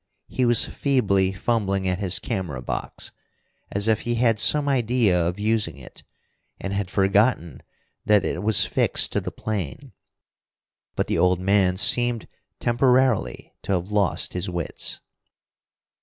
He was feebly fumbling at his camera box, as if he had some idea of using it, and had forgotten that it was fixed to the plane, but the old man seemed temporarily to have lost his wits.